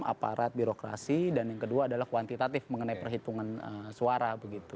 aparat birokrasi dan yang kedua adalah kuantitatif mengenai perhitungan suara